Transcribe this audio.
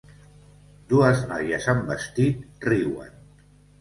Dues noies amb vestit riuen.